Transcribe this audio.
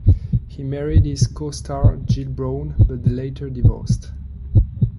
He married his co-star, Jill Browne, but they later divorced.